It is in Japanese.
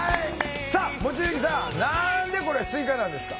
さあ望月さんなんでこれスイカなんですか？